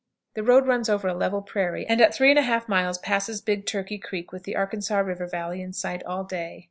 The road runs over a level prairie, and at 3 1/2 miles passes "Big Turkey Creek," with the Arkansas River Valley in sight all day.